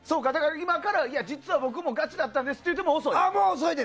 今から実は僕もガチだったんですって言っても。